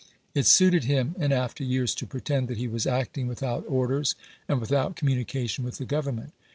It suited him in after years to pretend that he was acting without orders and without communication with the Government.